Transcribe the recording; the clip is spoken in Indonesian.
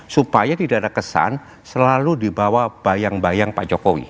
supaya tidak ada kesan selalu dibawa bayang bayang pak jokowi